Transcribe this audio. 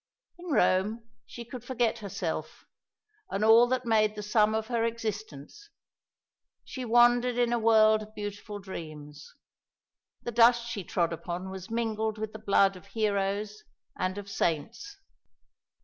In Rome she could forget herself, and all that made the sum of her existence. She wandered in a world of beautiful dreams. The dust she trod upon was mingled with the blood of heroes and of saints.